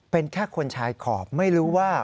เป็นแค่คนชายขอบไม่รู้ว่า